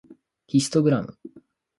ヒストグラム